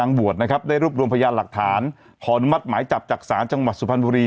บวชนะครับได้รวบรวมพยานหลักฐานขออนุมัติหมายจับจากศาลจังหวัดสุพรรณบุรี